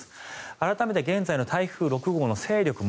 改めて現在の台風６号の勢力を